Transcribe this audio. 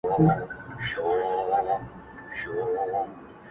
زما په مینه ورور له ورور سره جنګیږي-